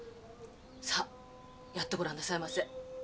さっやってごらんなさいませ。